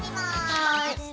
はい。